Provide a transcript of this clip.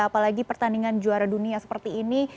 apalagi pertandingan juara dunia seperti ini